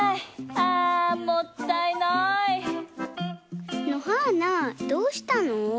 あもったいない！のはーなどうしたの？